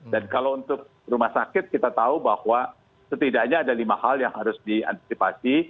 dan kalau untuk rumah sakit kita tahu bahwa setidaknya ada lima hal yang harus diantisipasi